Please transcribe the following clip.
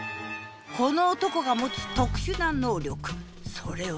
この男が持つ特殊な「能力」それは。